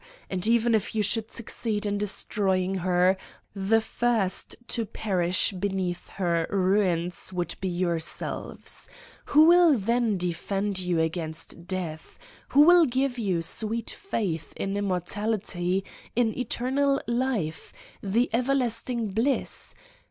And even if you should succeed in 74 Satan's Diary I destroying her, the first to perish beneath her ruins would be yourselves. Who will then de fend you against death? Who will give you sweet faith in immortality, in eternal life, in everlast ing bliss?